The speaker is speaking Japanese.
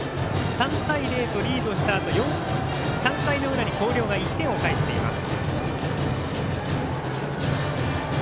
３対０とリードしたあと３回の裏に広陵が１点を返しています。